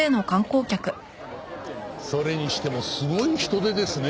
それにしてもすごい人出ですね。